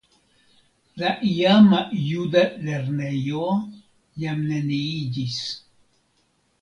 La iama juda lernejo jam neniiĝis.